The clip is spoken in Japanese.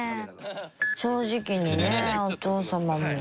正直にねお父さまも。